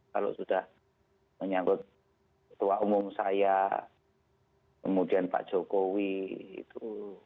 kalau sudah menyangkut ketua umum saya kemudian pak jokowi itu